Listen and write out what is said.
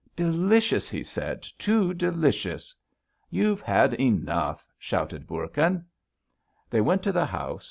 "Delicious," he said. "Too delicious!" "You've had enough," shouted Bourkin. They went to the house.